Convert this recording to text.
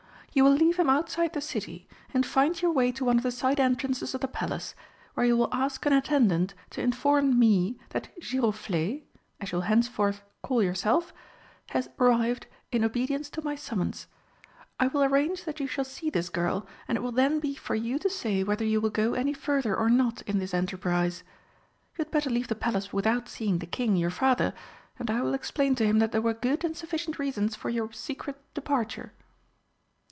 You will leave him outside the City, and find your way to one of the side entrances of the Palace, where you will ask an attendant to inform me that 'Giroflé' as you will henceforth call yourself has arrived in obedience to my summons. I will arrange that you shall see this girl, and it will then be for you to say whether you will go any further or not in this enterprise. You had better leave the Palace without seeing the King, your father, and I will explain to him that there were good and sufficient reasons for your secret departure."